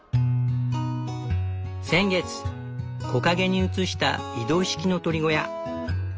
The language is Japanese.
先月木陰に移した移動式の鶏小屋。